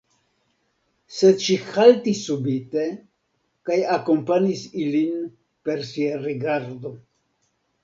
Sed ŝi haltis subite kaj akompanis ilin per sia rigardo.